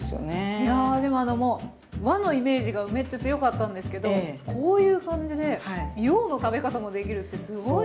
いやでもあのもう和のイメージが梅って強かったんですけどこういう感じで洋の食べ方もできるってすごい。